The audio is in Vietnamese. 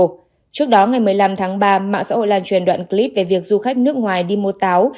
trước đó ngày một mươi năm tháng ba mạng xã hội lan truyền đoạn clip về việc du khách nước ngoài đi mua táo